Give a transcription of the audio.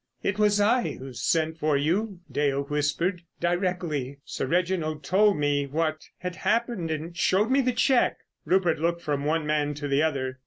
"It was I who sent for you," Dale whispered, "directly Sir Reginald told me what had happened and showed me the cheque." Rupert looked from one man to the other.